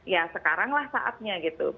ya sekaranglah saatnya gitu